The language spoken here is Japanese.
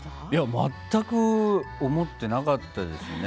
全く思ってなかったですね。